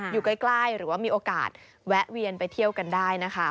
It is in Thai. อยู่ใกล้หรือว่ามีโอกาสแวะเวียนไปเที่ยวกันได้นะคะ